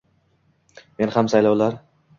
Men ham saylovlar